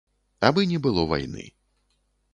Абы не было вайны.